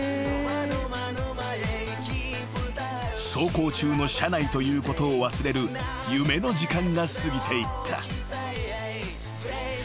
［走行中の車内ということを忘れる夢の時間が過ぎていった］